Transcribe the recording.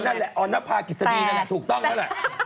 นั่นแหละอนภาครีสตีนั่นแหละถูกต้องอีก